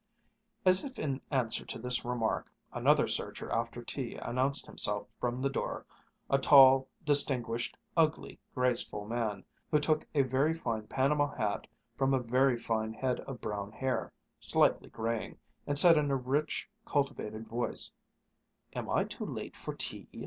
As if in answer to this remark, another searcher after tea announced himself from the door a tall, distinguished, ugly, graceful man, who took a very fine Panama hat from a very fine head of brown hair, slightly graying, and said in a rich, cultivated voice: "Am I too late for tea?